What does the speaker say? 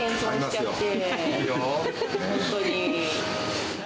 謙遜しちゃって。